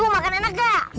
lu mau makan enak gak